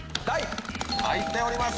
入っております。